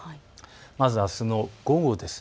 まず、あすの午後です。